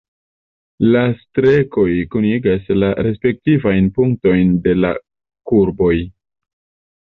La strekoj kunigas la respektivajn punktojn de la kurboj.